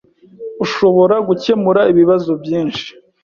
Ushobora gukemura ibibazo byinshi.